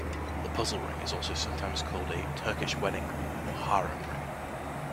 The puzzle ring is also sometimes called a "Turkish wedding ring" or "harem ring.